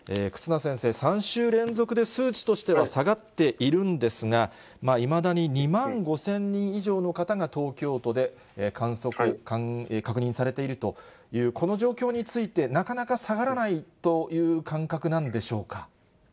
忽那先生、３週連続で数値としては下がっているんですが、いまだに２万５０００人以上の方が東京都で確認されているというこの状況について、なかなか下がらないという感覚なんでしょうか。